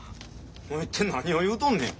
お前一体何を言うとんねん？